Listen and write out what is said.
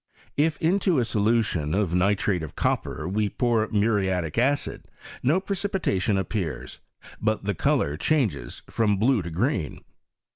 If into a solution of nitrate of copper we pour muriatic acid, no precipitation ap pears, but the colour changes from blue to green.